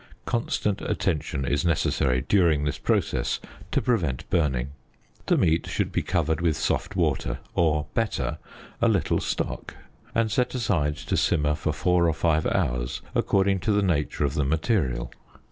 Constant attention is necessary during this process, to prevent burning. The meat should be covered with soft water or, better, a little stock, and set aside to simmer for four or five hours, according to the nature of the material.